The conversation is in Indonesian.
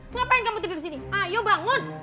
ngapain kamu tidur disini ayo bangun